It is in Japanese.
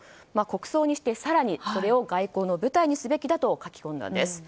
国葬にして更にそれを外交の舞台にすべきだと書き込んだんです。